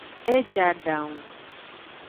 E je adangu.